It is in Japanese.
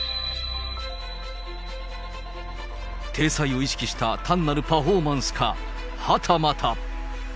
体裁を意識した単なるパフォーマンスか、はたまた。